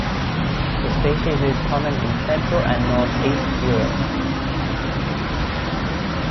The species is common in central and northeast Europe.